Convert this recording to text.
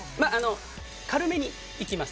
軽めにいきます。